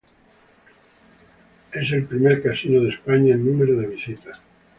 Es el primer casino de España en número de visitas.